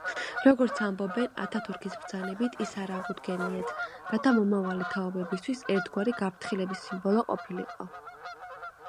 როგორც ამბობენ, ათათურქის ბრძანებით ის არ აღუდგენიათ, რათა მომავალი თაობებისთვის ერთგვარი გაფრთხილების სიმბოლო ყოფილიყო.